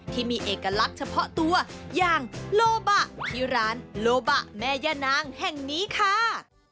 ที่มีเอกลักษณ์เฉพาะตัวอย่างโลบะที่ร้านโลบะแม่ย่านางแห่งนี้ค่ะ